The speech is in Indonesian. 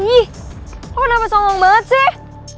ih kok kenapa sokong banget sih